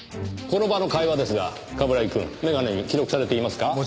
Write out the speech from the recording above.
この場の会話ですが冠城くん眼鏡に記録されていますか？